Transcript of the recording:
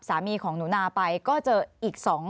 สามีของหนูนาไปก็เจออีก๒